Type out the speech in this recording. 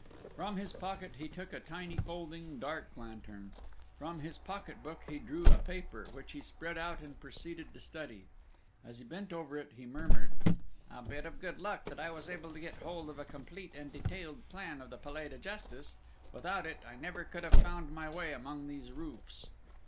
From his pocket he took a tiny, folding dark lantern; from his pocket book he drew a paper, which he spread out and proceeded to study. As he bent over it, he murmured: "A bit of good luck that I was able to get hold of a complete and detailed plan of the Palais de Justice! Without it I never could have found my way among these roofs!"